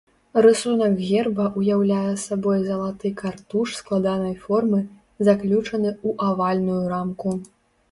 Рысунак герба ўяўляе сабой залаты картуш складанай формы, заключаны ў авальную рамку.